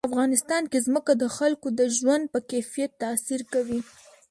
افغانستان کې ځمکه د خلکو د ژوند په کیفیت تاثیر کوي.